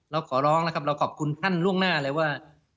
ขอร้องนะครับเราขอบคุณท่านล่วงหน้าเลยว่า